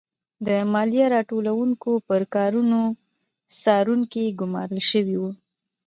د مالیه راټولوونکو پر کارونو څارونکي ګورمال شوي وو.